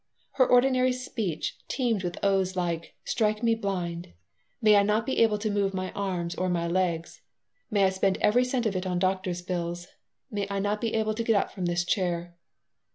Her ordinary speech teemed with oaths like: "Strike me blind," "May I not be able to move my arms or my legs," "May I spend every cent of it on doctor's bills," "May I not be able to get up from this chair."